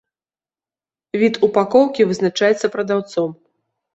Від упакоўкі вызначаецца прадаўцом.